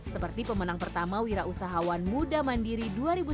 seperti pemenang pertama wirausahawan muda mandiri dua ribu sembilan